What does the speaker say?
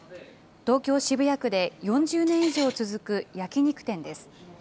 東京・渋谷区で４０年以上続く焼き肉店です。